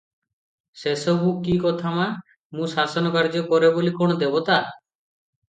ସେ ସବୁ କିକଥା ମା, ମୁଁ ଶାସନ କାର୍ଯ୍ୟ କରେ ବୋଲି କଣ ଦେବତା!